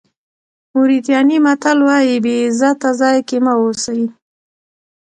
موریتاني متل وایي بې عزته ځای کې مه اوسئ.